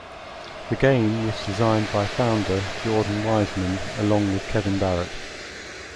The game was designed by founder Jordan Weisman along with Kevin Barrett.